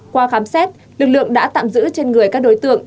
qua khám xét lực lượng đã tạm giữ trên người các đối tượng